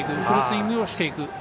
フルスイングをしていく。